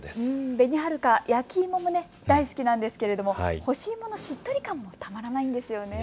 べにはるか、焼き芋も大好きなんですが干し芋のしっとり感もたまらないんですね。